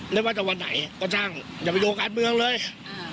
ไม่ว่าจะวันไหนก็ช่างอย่าไปลงการเมืองเลยอ่า